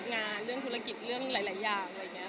งานเรื่องธุรกิจเรื่องหลายอย่าง